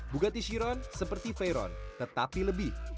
bugatti chiron seperti veyron tetapi lebih